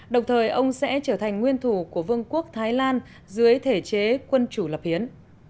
đồng thời ông sẽ trở thành nguyên thủ của vương quốc thái lan dưới thể chế quân chủ lập hiến